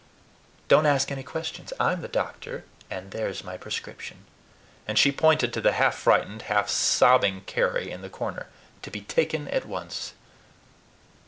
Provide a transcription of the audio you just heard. "Don't ask any questions. I'm the doctor, and there's my prescription," and she pointed to the half frightened, half sobbing Carry in the corner "to be taken at once."